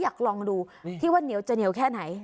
อยากลองดูที่ว่าเหนียวจะเหนียวแค่ไหน